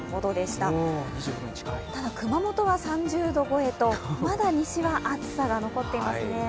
ただ熊本は３０度超えとまだ西は暑さが残っていますね。